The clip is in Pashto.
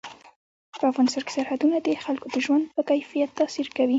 په افغانستان کې سرحدونه د خلکو د ژوند په کیفیت تاثیر کوي.